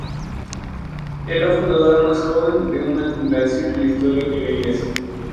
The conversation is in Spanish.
Es la fundadora más joven de una congregación en la historia de la Iglesia.